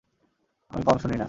আমি কম শুনিনা।